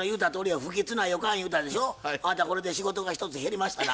あなたこれで仕事が一つ減りましたな。